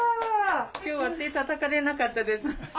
今日は手たたかれなかったです。